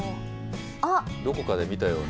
どこかで見たような？